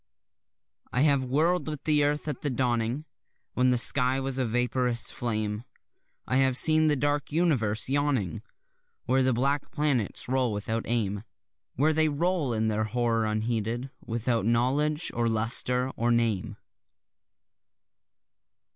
I have whirl'd with the earth at the dawning, When the sky was a vaporous flame; I have seen the dark universe yawning Where the black planets roll without aim, Where they roll in their horror unheeded, without knowledge or lustre or name.